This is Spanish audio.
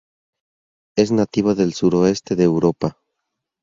Es nativa del suroeste de Europa.